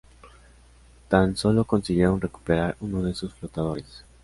Tan solo consiguieron recuperar uno de sus flotadores.